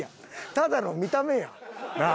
ただの見た目やん。なあ？